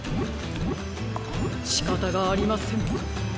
しかたがありません。